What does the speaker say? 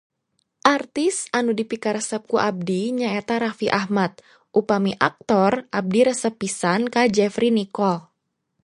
Artis anu dupikaresep ku abdi nyaeta Rafi Ahmad, upami aktor abdi resep pisan ka Jefri Nichole.